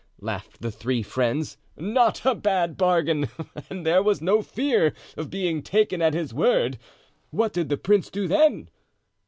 laughed the three friends, "not a bad bargain; and there was no fear of being taken at his word; what did the prince do then?"